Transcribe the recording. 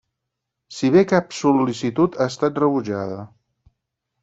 Si bé cap sol·licitud ha estat rebutjada.